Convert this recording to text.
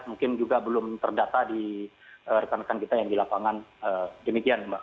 mungkin juga belum terdata di rekan rekan kita yang di lapangan demikian mbak